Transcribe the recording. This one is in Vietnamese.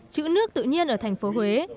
chữ nước tự nhiên ở thành phố huế